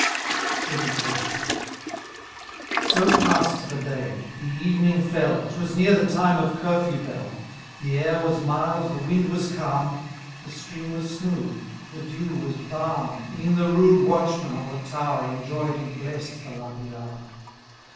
XXIV. So paasM the day — ^the evening fell, Twas near the time of curfew bell ; The air was mild, the wind was calm. The stream was smooth, the dew was balm E'en the rude watchman, on the tower. Enjoy 'd and bless'd the lovely hour.